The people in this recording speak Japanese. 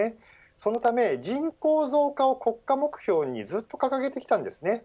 そのため人口増加を国家目標にずっと掲げてきたんですね。